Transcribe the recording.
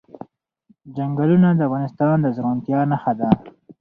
چنګلونه د افغانستان د زرغونتیا نښه ده.